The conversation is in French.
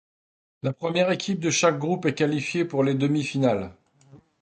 La première équipe de chaque groupe est qualifiée pour les demi-finales.